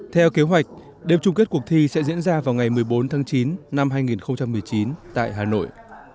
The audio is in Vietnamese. theo kế hoạch đêm chung kết cuộc thi sẽ diễn ra vào ngày một mươi bốn tháng chín năm hai nghìn một mươi chín tại hà nội